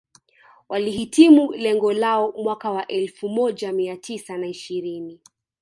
Walihitimu lengo lao mwaka wa elfu moja mia tisa na ishirini